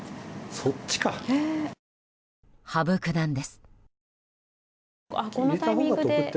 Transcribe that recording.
羽生九段です。